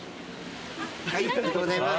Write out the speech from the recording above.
ありがとうございます。